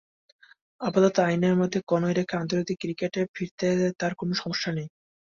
আপাতত আইনের মধ্যে কনুই রেখে আন্তর্জাতিক ক্রিকেটে ফিরতে তাঁর কোনো সমস্যা নেই।